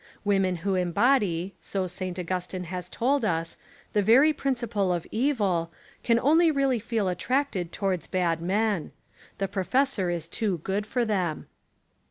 Women who embody, so St. Augustine has told us, the very principle of evil, can only really feel attracted towards bad men. The profes sor is too good for them.